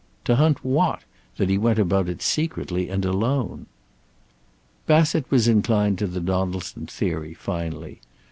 To hunt what, that he went about it secretly and alone? Bassett was inclined to the Donaldson theory, finally.